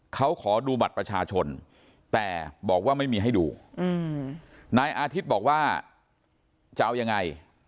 เขาขอดูบัตรประชาชนแต่บอกว่าไม่มีให้ดูนายอาทิตย์บอกว่าจะเอายังไง